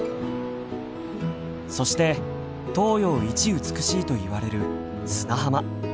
そして東洋一美しいといわれる砂浜。